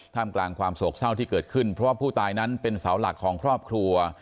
กลางกลางความโศกเศร้าที่เกิดขึ้นเพราะว่าผู้ตายนั้นเป็นเสาหลักของครอบครัว